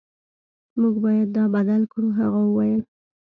موږ باید دا بدل کړو هغه وویل